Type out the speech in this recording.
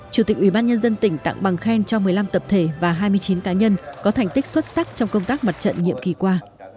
chủ tịch ủy ban nhân dân tỉnh tặng bằng khen cho một mươi năm tập thể và hai mươi chín cá nhân có thành tích xuất sắc trong công tác mặt trận nhiệm kỳ qua